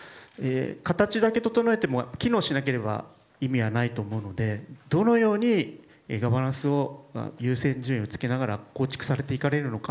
形だけ整えても機能しなければ意味がないと思うのでどのようにガバナンスを優先順位をつけながら構築されていかれるのか。